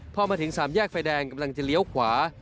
พอมาถึงสามแยกไฟแดงกำลังจะเลี้ยวขวา